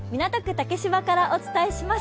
竹芝からお伝えします。